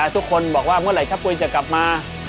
ทุกคนบอกว่าเมื่อไหร่ชะปุ๋ยจะกลับมา